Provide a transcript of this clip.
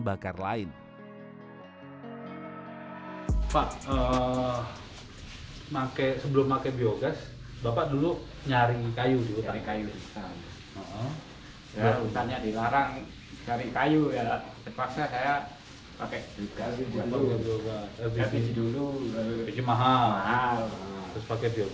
terus bikin biogas